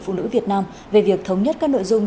phụ nữ việt nam về việc thống nhất các nội dung